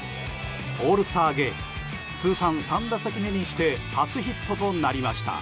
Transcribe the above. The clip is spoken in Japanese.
オールスターゲーム通算３打席目にして初ヒットとなりました。